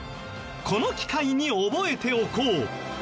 この機会に覚えておこう！